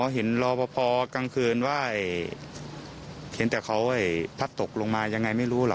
เห็นกันนะพอนั้น